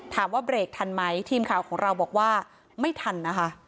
เบรกทันไหมทีมข่าวของเราบอกว่าไม่ทันนะคะ